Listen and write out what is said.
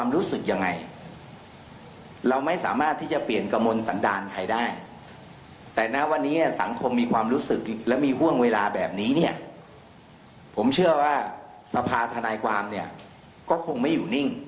และมีห่วงเวลาแบบนี้เนี่ยผมเชื่อว่าสภาทนายความเนี่ยก็คงไม่อยู่นิ่ง